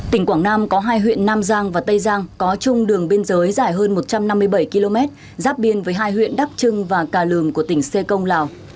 tỉnh quảng nam có hai huyện nam giang và tây giang có chung đường biên giới dài hơn một trăm năm mươi bảy km giáp biên với hai huyện đắc trưng và cà lường của tỉnh xê công lào